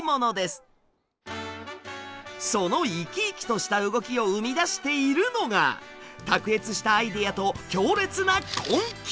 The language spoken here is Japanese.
その生き生きとした動きを生み出しているのが卓越したアイデアと強烈な根気！